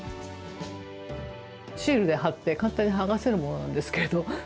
シールで貼って簡単に剥がせるものなんですけれど。